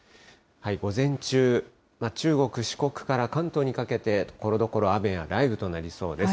午前中、中国、四国から関東にかけて、ところどころ雨や雷雨となりそうです。